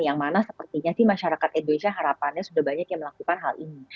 yang mana sepertinya sih masyarakat indonesia harapannya sudah banyak yang melakukan hal ini